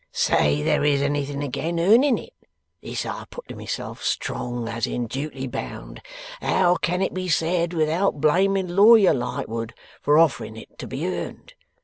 Say there is anything again earning it." This I put to myself strong, as in duty bound; "how can it be said without blaming Lawyer Lightwood for offering it to be earned?"